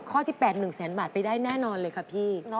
ข้อที่๘๑แสนบาทไปได้แน่นอนเลยค่ะพี่